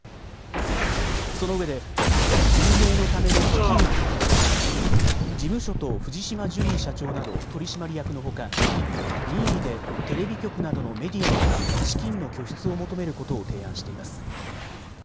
そのうえで運営のための基金を設立し事務所と藤島ジュリー社長など取締役のほか任意でテレビ局などのメディアにも資金の拠出を求めることを提案しています。